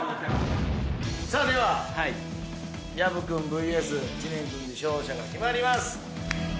さあでは薮君ＶＳ知念君の勝者が決まります！